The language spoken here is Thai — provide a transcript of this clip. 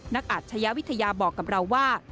นักอาจชายวิทยาบอกกับเราว่า